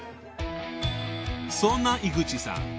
［そんな井口さん。